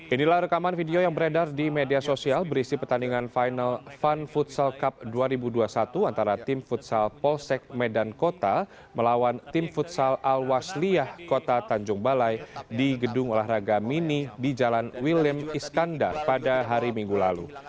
inilah rekaman video yang beredar di media sosial berisi pertandingan final fun futsal cup dua ribu dua puluh satu antara tim futsal polsek medan kota melawan tim futsal al wasliyah kota tanjung balai di gedung olahraga mini di jalan william iskandar pada hari minggu lalu